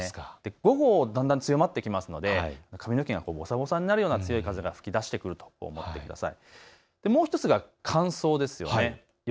午後だんだん強まってきますので髪の毛がぼさぼさになるような風が吹き出してくると思ってください。